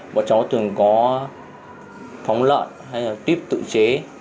mọi chó thường có phóng lợn hay là tuyếp tự chế